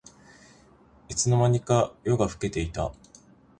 いつの間にか夜が更けていた